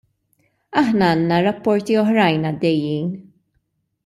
Aħna għandna rapporti oħrajn għaddejjin.